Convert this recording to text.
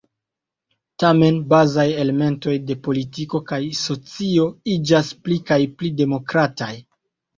Tamen bazaj elementoj de politiko kaj socio iĝas pli kaj pli demokrataj.